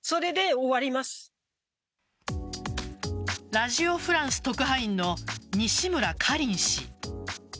ラジオ・フランス特派員の西村カリン氏。